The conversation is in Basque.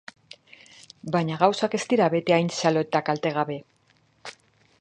Baina gauzak ez dira beti hain xalo eta kaltegabe.